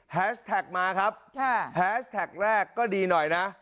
แท็กมาครับแฮสแท็กแรกก็ดีหน่อยนะ